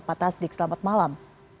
pak tasdik selamat malam